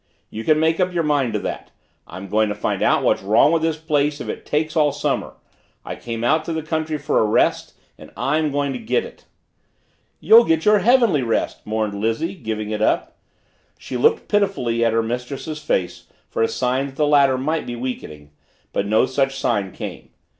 You can make up your mind to that. I'm going to find out what's wrong with this place if it takes all summer. I came out to the country for a rest and I'm going to get it." "You'll get your heavenly rest!" mourned Lizzie, giving it up. She looked pitifully at her mistress's face for a sign that the latter might be weakening but no such sign came.